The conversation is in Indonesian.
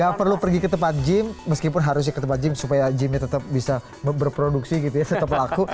gak perlu pergi ke tempat gym meskipun harusnya ke tempat gym supaya gymnya tetap bisa berproduksi gitu ya tetap laku